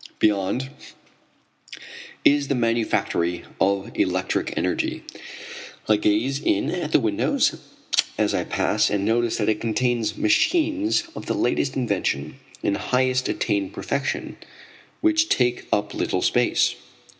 Beyond is the manufactory of electric energy. I gaze in at the windows as I pass and notice that it contains machines of the latest invention and highest attained perfection, which take up little space.